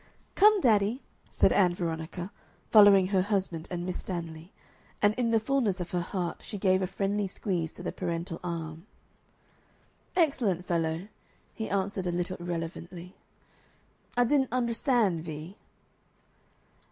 "Come, daddy," said Ann Veronica, following her husband and Miss Stanley; and in the fulness of her heart she gave a friendly squeeze to the parental arm. "Excellent fellow!" he answered a little irrelevantly. "I didn't understand, Vee."